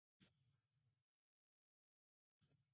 温泉は日本の心